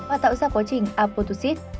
và tạo ra quá trình apotoxic